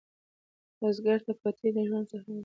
بزګر ته پټی د ژوند ساحه ده